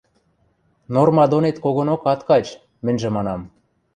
– Норма донет когонок ат кач, – мӹньжӹ манам.